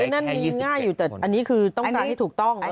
นั้นง่ายอยู่แต่นี่คือทั่วปากทางที่ถูกต้อง